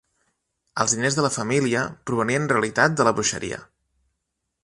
Els diners de la família provenien en realitat de la bruixeria.